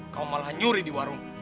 kau malah nyuri di warung